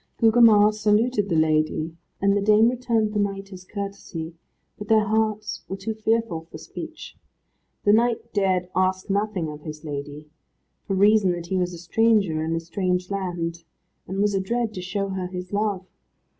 Gugemar saluted the lady, and the dame returned the knight his courtesy, but their hearts were too fearful for speech. The knight dared ask nothing of his lady, for reason that he was a stranger in a strange land, and was adread to show her his love.